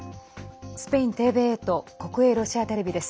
スペインＴＶＥと国営ロシアテレビです。